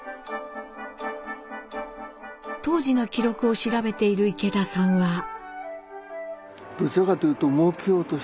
当時の記録を調べている池田さんは。